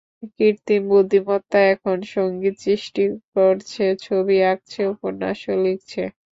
কৃত্রিম বুদ্ধিমত্তা এখন সঙ্গীত সৃষ্টি করছে, ছবি আঁকছে, উপন্যাসও লিখছে।